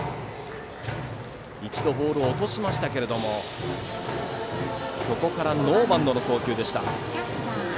一度、ボールを落としましたけどもそこからノーバウンドの送球でした。